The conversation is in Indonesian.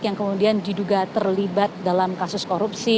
yang kemudian diduga terlibat dalam kasus korupsi